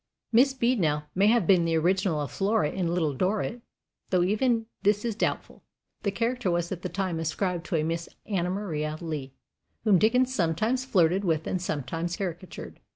Miss Beadnell may have been the original of Flora in Little Dorrit, though even this is doubtful. The character was at the time ascribed to a Miss Anna Maria Leigh, whom Dickens sometimes flirted with and sometimes caricatured.